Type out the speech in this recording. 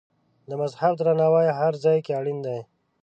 د مذهب درناوی هر ځای کې اړین دی.